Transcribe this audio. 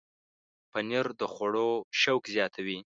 پنېر د خوړو شوق زیاتوي.